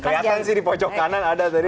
kelihatan sih di pojok kanan ada tadi